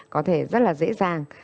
có thể rất là dễ dàng